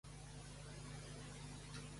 Regni Veg., Bull.